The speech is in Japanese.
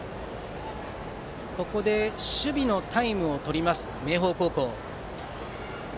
ここで守備のタイムをとります明豊高校。